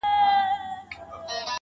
لكه برېښنا.